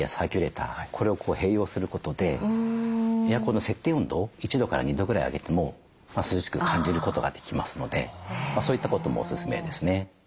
これを併用することでエアコンの設定温度を１度から２度ぐらい上げても涼しく感じることができますのでそういったこともオススメですね。